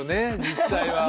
実際は。